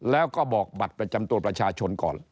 แล้วก็บอกบัตรประจำตัวประชาชนก่อน